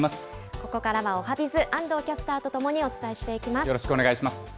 ここからはおはＢｉｚ、安藤キャスターと共にお伝えしていきます。